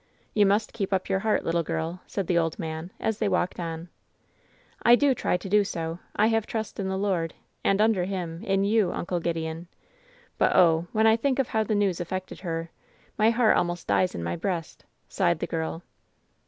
"You must keep up your heart, little girl," said the old man, as they walked on. "I do try to do so. I have trust in the Lord; and, under Him, in you. Uncle Gideon. But oh! when I think of how the news affected her, my heart almost dies in my breast," sighed the girl.